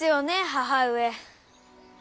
母上。